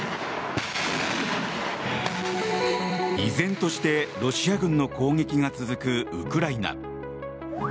依然としてロシア軍の攻撃が続くウクライナ。